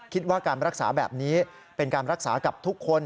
คิดว่าการรักษาแบบนี้เป็นการรักษากับทุกคน